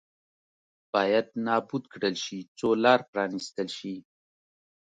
باید نابود کړل شي څو لار پرانېستل شي.